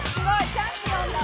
チャンピオンだわ！